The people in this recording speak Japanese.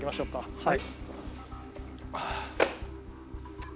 はい。